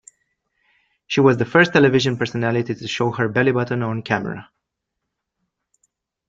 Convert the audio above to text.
She was the first television personality to show her belly button on camera.